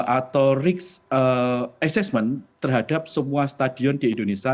atau risk assessment terhadap semua stadion di indonesia